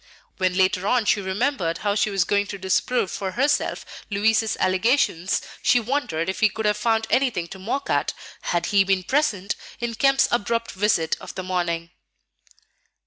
When later on she remembered how she was going to disprove for herself Louis's allegations, she wondered if he could have found anything to mock at, had he been present, in Kemp's abrupt visit of the morning.